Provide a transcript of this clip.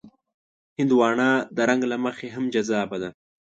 هندوانه د رنګ له مخې هم جذابه ده.